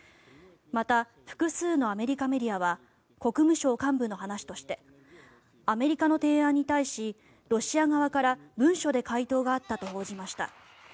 また、複数のアメリカメディアは国務省幹部の話としてアメリカの提案に対しロシア側から文書で回答があったと報じました。